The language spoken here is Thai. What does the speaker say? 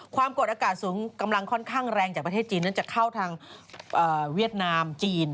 ความกดอากาศสูงกำลังค่อนข้างแรงจากประเทศจีนนั้นจะเข้าทางเวียดนามจีน